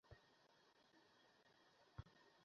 অন্নপূর্ণা কহিলেন, সে কি ইহাতে রাজী হইবে।